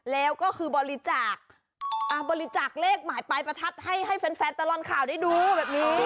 แล้วก็คือบริจาคบริจาคเลขหมายปลายประทัดให้แฟนตลอดข่าวได้ดูแบบนี้